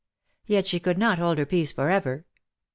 Yet she could not hold her peace for ever.